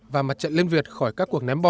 và mặt trận liên việt khỏi các cuộc ném bom